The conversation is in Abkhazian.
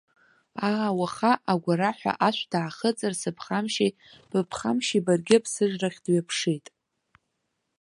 Аа, уаха агәараҳәа ашә даахыҵыр сыԥхамшьеи, быԥхамшьеи баргьы, аԥсыжрахь дҩаԥшит.